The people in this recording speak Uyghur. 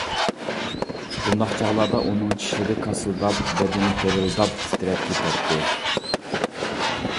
بۇنداق چاغلاردا ئۇنىڭ چىشلىرى كاسىلداپ، بەدىنى دىرىلداپ تىترەپ كېتەتتى.